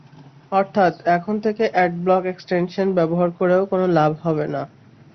অর্থাৎ, এখন থেকে অ্যাডব্লক এক্সটেনশন ব্যবহার করেও কোনো লাভ হবে না।